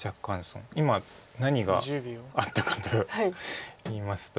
今何があったかといいますと。